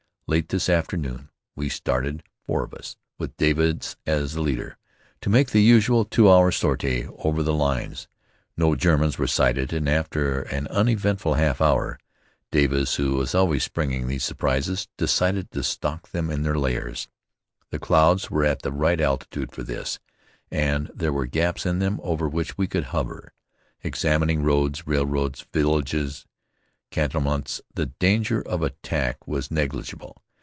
Late this afternoon we started, four of us, with Davis as leader, to make the usual two hour sortie over the lines. No Germans were sighted, and after an uneventful half hour, Davis, who is always springing these surprises, decided to stalk them in their lairs. The clouds were at the right altitude for this, and there were gaps in them over which we could hover, examining roads, railroads, villages, cantonments. The danger of attack was negligible.